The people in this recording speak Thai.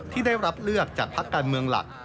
ที่ได้รับเลือกจากพักการเมืองหลัก